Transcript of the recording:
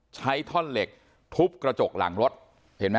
ใช้ท่อนเหล็กทุบกระจกหลังรถเห็นไหม